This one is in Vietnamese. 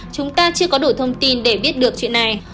chúng ta chưa có đủ thông tin để biết được chuyện này